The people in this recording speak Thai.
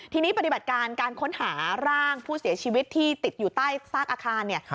ทีนี้ปฏิบัติการการค้นหาร่างผู้เสียชีวิตที่ติดอยู่ใต้ซากอาคารเนี่ย